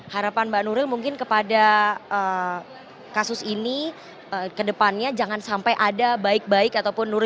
harapan mbak nuril mungkin kepada kasus ini ke depannya jangan sampai ada baik baik ataupun nuril